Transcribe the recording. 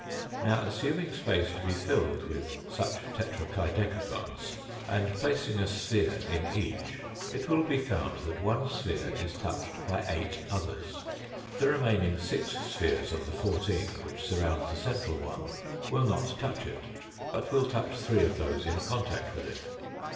Now, assuming space to be filled with such tetrakai decagons, and placing a sphere in each, it will be found. EECAPITULATION AND EXTENSION 225 that one sphere is touched by eight others. The re maining six spheres of the fourteen which surround the central one will not touch it, but will touch three of those in contact with it.